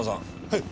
はい。